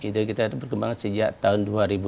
ide kita itu berkembang sejak tahun dua ribu lima